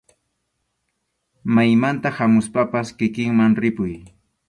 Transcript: Maymanta hamuspapas kikinman ripuy.